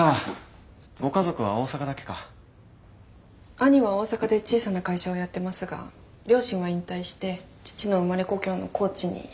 兄は大阪で小さな会社をやってますが両親は引退して父の生まれ故郷の高知に引っ越しました。